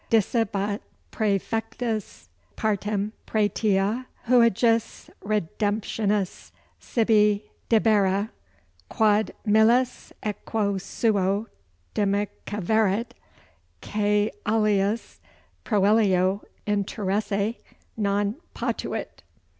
Dicebat Praefectus partem pretii hujus redemptionis sibi debere, quod miles equo suo dimicaverat, qui alias proelio interesse non potuit.